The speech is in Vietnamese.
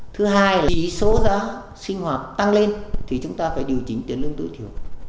thứ hai là số giá sinh hoạt tăng lên thì chúng ta phải điều chỉnh tiền lương tối thiểu